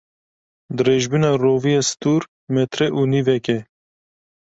Dirêjbûna roviya stûr metre û nîvek e.